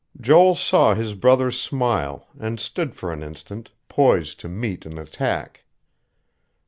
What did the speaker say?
Joel saw his brother smile, and stood for an instant, poised to meet an attack.